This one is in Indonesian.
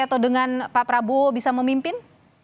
atau dengan pak prabowo bisa memimpin